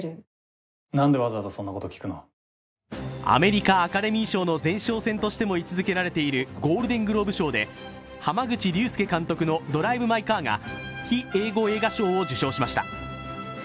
アメリカ・アカデミー賞の前哨戦としても位置づけられているゴールデングローブ賞で濱口竜介監督の「ドライブ・マイ・カー」が非英語映画賞を受賞しました。